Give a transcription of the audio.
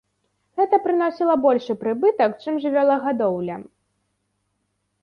Гэта прыносіла большы прыбытак, чым жывёлагадоўля.